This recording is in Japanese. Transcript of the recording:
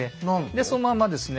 でそのまんまですね